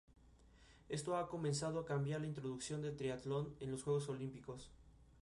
La canción homónima compuesta para el filme se ha convertido en un clásico.